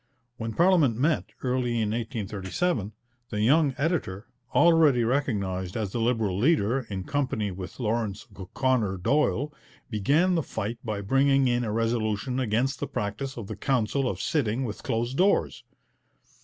When parliament met, early in 1837, the young editor, already recognized as the Liberal leader, in company with Laurence O'Connor Doyle, began the fight by bringing in a resolution against the practice of the Council of sitting with closed doors.